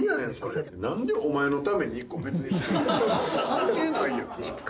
関係ないやん。